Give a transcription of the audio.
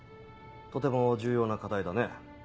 とても重要な課題だね。